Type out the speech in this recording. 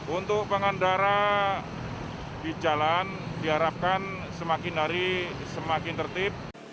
untuk pengendara di jalan diharapkan semakin hari semakin tertib